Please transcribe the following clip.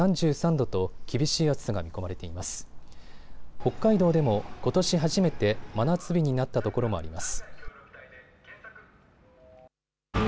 北海道でも、ことし初めて真夏日になったところもあります。